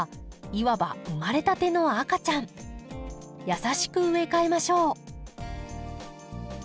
優しく植え替えましょう。